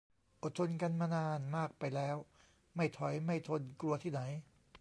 อดทนกันมานานมากไปแล้ว ไม่ถอยไม่ทน กลัวที่ไหน